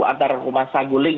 antara rumah saguling